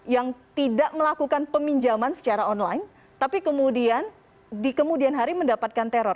yang tidak melakukan peminjaman secara online tapi kemudian di kemudian hari mendapatkan teror